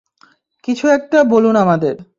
কিছু একটা বলুন আমাদের!